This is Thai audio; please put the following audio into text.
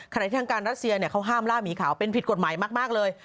ที่ทางการรัสเซียเขาห้ามล่าหมีขาวเป็นผิดกฎหมายมากเลย